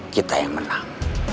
kita yang menang